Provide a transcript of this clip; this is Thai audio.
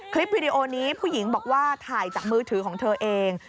คลิปวิดีโอนี้ผู้หญิงบอกว่าถ่ายจากมือถือของเธอเอง